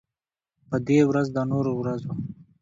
په دې ورځ د نورو ورځو